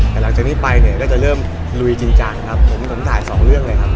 แต่หลังจากนี้ไปเนี่ยก็จะเริ่มลุยจริงจังครับผมผมถ่ายสองเรื่องเลยครับ